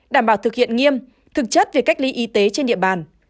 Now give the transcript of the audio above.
đảm bảo thực hiện nghiêm thực chất về cách ly y tế trên địa bàn